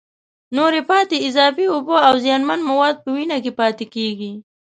نورې پاتې اضافي اوبه او زیانمن مواد په وینه کې پاتېږي.